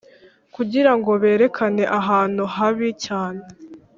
Kugirango berekane ahantu habi cyane